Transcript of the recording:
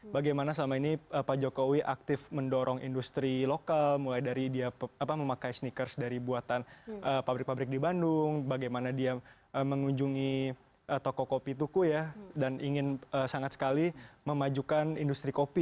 bagaimana selama ini pak jokowi aktif mendorong industri lokal mulai dari dia memakai sneakers dari buatan pabrik pabrik di bandung bagaimana dia mengunjungi toko kopi tuku ya dan ingin sangat sekali memajukan industri kopi